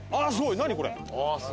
何これ？